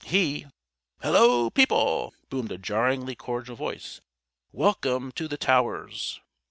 He " "Hello, people!" boomed a jarringly cordial voice. "Welcome to the Towers!"